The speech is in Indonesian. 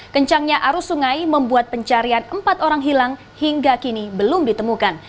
kencangnya arus sungai membuat pencarian empat orang hilang hingga kini belum ditemukan